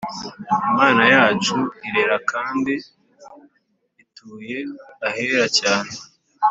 Imana yacu irera kandi ituye ahera cyane